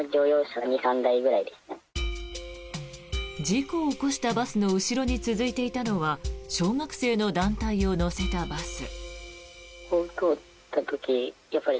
事故を起こしたバスの後ろに続いていたのは小学生の団体を乗せたバス。